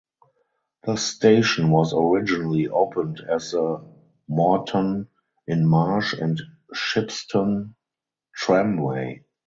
The station was originally opened as the Moreton in Marsh and Shipston Tramway.